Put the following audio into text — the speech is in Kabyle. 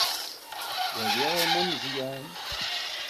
Wa d iɣrem ameẓyan.